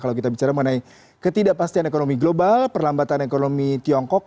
kalau kita bicara mengenai ketidakpastian ekonomi global perlambatan ekonomi tiongkok